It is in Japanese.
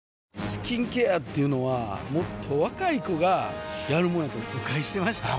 スキンケアっていうのはもっと若い子がやるもんやと誤解してました